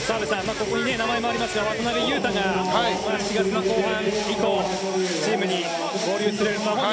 ここに名前もありますが渡邊雄太が７月の後半以降チームに合流する。